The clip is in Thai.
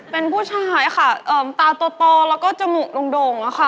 เป็นผู้ชายค่ะตาโตโตและก็จมูกดงแล้วค่ะ